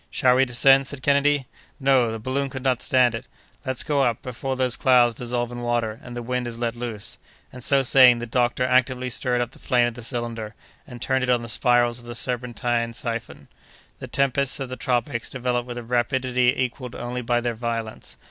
"Shall we descend?" said Kennedy. "No! the balloon could not stand it. Let us go up before those clouds dissolve in water, and the wind is let loose!" and, so saying, the doctor actively stirred up the flame of the cylinder, and turned it on the spirals of the serpentine siphon. The tempests of the tropics develop with a rapidity equalled only by their violence.